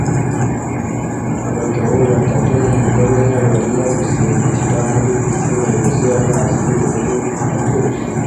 Abagabo batatu numugore umwe barimo gusimbukira muri pisine yuzuye amazi yubururu atuje